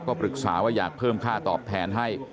ก็ปรึกษาว่าอยากเพิ่มค่าตอบแทนให้